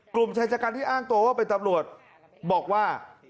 กลุ่มชายชะกันที่อ้างตัวว่าเป็นตำรวจบอกว่า